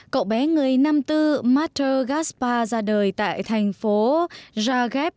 cậu bé người năm tư mater gaspar ra đời tại thành phố zagreb